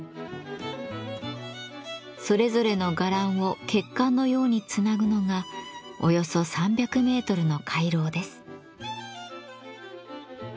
それぞれの伽藍を血管のようにつなぐのがおよそ３００メートルの回廊です。